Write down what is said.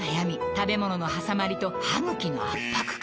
食べ物のはさまりと歯ぐきの圧迫感